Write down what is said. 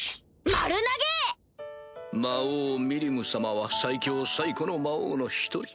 丸投げ⁉魔王ミリム様は最強最古の魔王の一人。